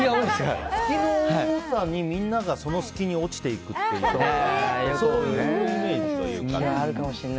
隙の多さにみんながその隙に落ちていくというそういうイメージ。